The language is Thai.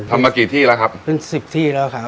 มากี่ที่แล้วครับเป็นสิบที่แล้วครับ